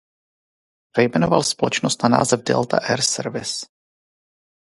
Přejmenoval společnost na název Delta Air Service.